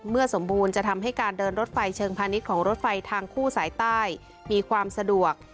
สมบูรณ์จะทำให้การเดินรถไฟเชิงพาณิชย์ของรถไฟทางคู่สายใต้มีความสะดวก